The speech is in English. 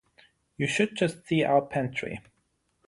You should just see our pantry.